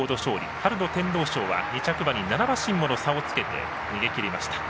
春の天皇賞は２着馬に７馬身もの差をつけて逃げきりました。